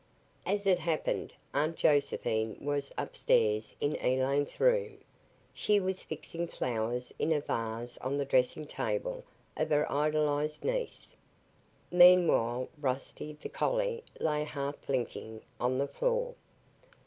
As it happened, Aunt Josephine was upstairs in Elaine's room. She was fixing flowers in a vase on the dressing table of her idolized niece. Meanwhile, Rusty, the collie, lay, half blinking, on the floor.